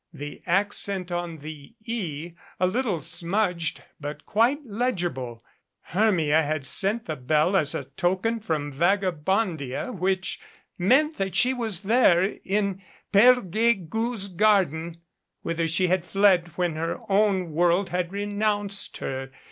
The accent on the E, a little smudged, but quite legible. Hermia had sent the bell as a token from Vaga bondia which meant that she was there in Pere Guegou's garden, whither she had fled when her own world had re nounced her.